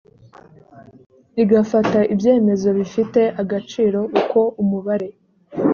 igafata ibyemezo bifite agaciro uko umubare